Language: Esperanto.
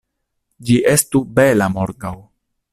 Ĝi estu bela morgaŭ!